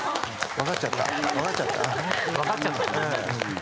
分かっちゃった？